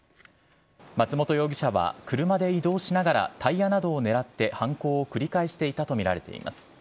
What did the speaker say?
松本容疑者は車で移動しながらタイヤなどを狙って犯行を繰り返していたとみられています。